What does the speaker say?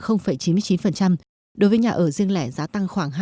đối với nhà ở riêng lẻ giá tăng khoảng hai bảy mươi bốn